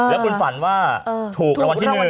แล้วคุณฝันว่าถูกระวันที่๑ใช่ไหม